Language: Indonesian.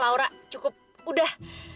laura cukup udah